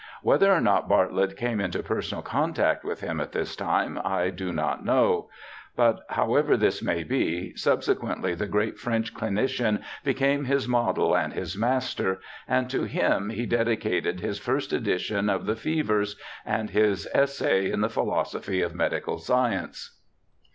Whether or not Bartlett came into personal contact with him at this time I do not know, but however this may be, subsequently the great French clinician became his model and his master, and to him he dedicated his first edition of the Fevers, and his Essay on the Philosophy of Medical Science.